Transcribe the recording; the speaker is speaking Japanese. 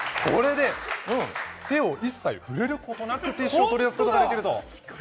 手を一切触れることなくティッシュを取り出すことができます。